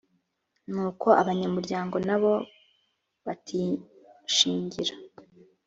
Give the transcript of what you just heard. n uko abanyamuryango nabo batishingira